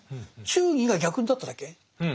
忠義が逆になっただけ。